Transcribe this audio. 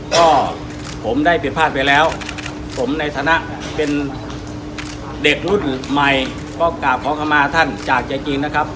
ก็ผมได้ผิดพลาดไปแล้วผมในฐานะเป็นเด็กรุ่นใหม่ก็กราบขอเข้ามาท่านจากใจจริงนะครับ